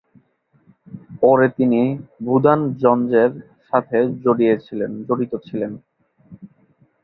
পরে তিনি ভুদান-যঞ্জের সাথে জড়িতছিলেন।